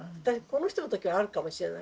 この人の時はあるかもしれないけど。